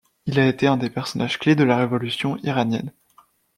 Il a été un des personnages clés de la Révolution iranienne.